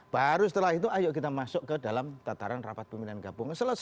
baru setelah itu ayo kita masuk ke dalam tataran rapat pimpinan gabungan